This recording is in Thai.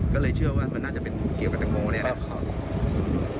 ก็เลยเชื่อว่ามันน่าจะเกี่ยวกับเตงโมเนี่ยนะครับ